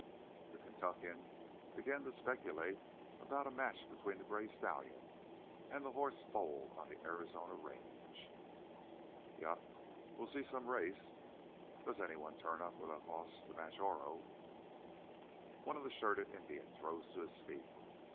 The Kentuckian began to speculate about a match between the gray stallion and the horse foaled on the Arizona range. "Yep, we'll see some race, does anyone turn up with a hoss t' match Oro." One of the shirted Indians rose to his feet.